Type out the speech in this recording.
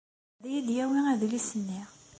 Ad yi-d-yawi adlis-nni.